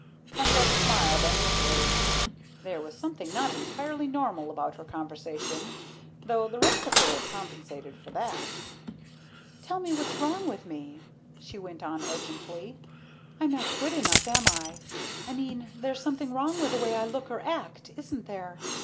Pembroke smiled, uneasily. There was something not entirely normal about her conversation. Though the rest of her compensated for that. "Tell me what's wrong with me," she went on urgently. "I'm not good enough, am I? I mean, there's something wrong with the way I look or act. Isn't there?